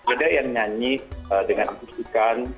ada yang nyanyi dengan angkut ikan